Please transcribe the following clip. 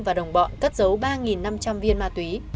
và đồng bọn cất dấu ba năm trăm linh viên ma túy